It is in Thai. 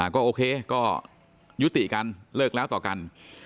ก็โอเคก็ยุติกันเลิกแล้วต่อกัน